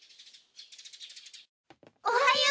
おはよう！